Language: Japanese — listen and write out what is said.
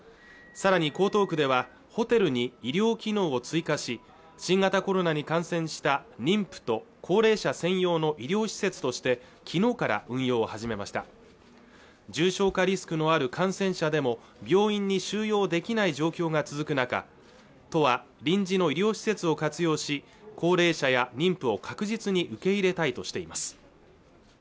さらに江東区ではホテルに医療機能を追加し新型コロナに感染した妊婦と高齢者専用の医療施設としてきのうから運用を始めました重症化リスクのある感染者でも病院に収容できない状況が続く中都は臨時の医療施設を活用し高齢者や妊婦を確実に受け入れたいとしています